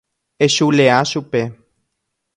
Echulea chupe.